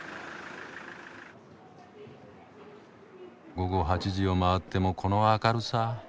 午後８時を回ってもこの明るさ。